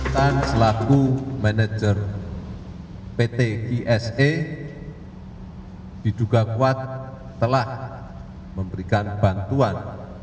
dan selaku manajer pt kse diduga kuat telah memberikan bantuan